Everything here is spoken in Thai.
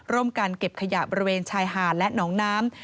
ร่วมกันเก็บขยะบริเวณชายหาดและหนองน้ำ